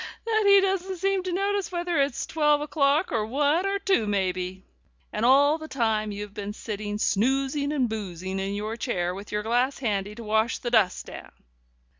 that he doesn't seem to notice whether it's twelve o'clock or one or two, maybe!' And all the time you've been sitting snoozing and boozing in your chair, with your glass handy to wash the dust down."